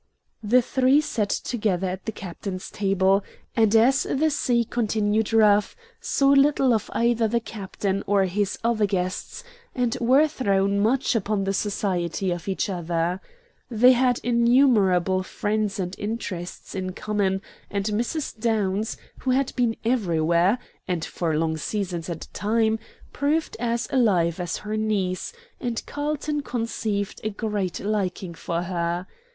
The three sat together at the captain's table, and as the sea continued rough, saw little of either the captain or his other guests, and were thrown much upon the society of each other. They had innumerable friends and interests in common; and Mrs. Downs, who had been everywhere, and for long seasons at a time, proved as alive as her niece, and Carlton conceived a great liking for her.